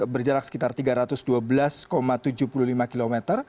berjarak sekitar tiga ratus dua belas tujuh puluh lima km